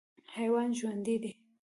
حیوان ژوندی دی.